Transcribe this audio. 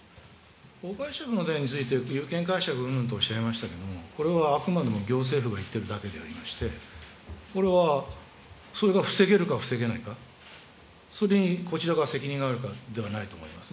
法解釈の点について、有権解釈うんぬんとおっしゃいましたけれども、これはあくまでも行政府が言ってるだけでありまして、これは、それが防げるか防げないか、それにこちらが責任があるかではないと思いますね。